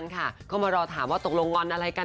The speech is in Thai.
พวกคุณกันก็ต้องรอถามว่าเกิดตกลงงอนอะไรกัน